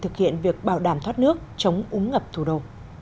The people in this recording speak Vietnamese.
thực hiện việc bảo đảm thoát nước chống úng ngập thủ đồ